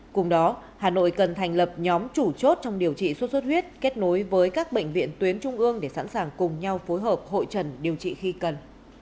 cùng đó hà nội cần thành lập nhóm chủ chốt trong điều trị sốt xuất huyết kết nối với các bệnh viện tuyến trung ương để sẵn sàng cùng nhau phối hợp hội trần điều trị khi cần